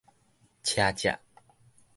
車隻